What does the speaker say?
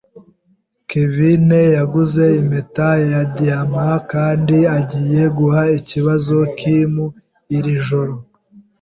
Kevin yaguze impeta ya diyama kandi agiye guha ikibazo Kim iri joro.